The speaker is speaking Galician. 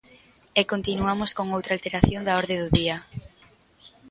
E continuamos con outra alteración da orde do día.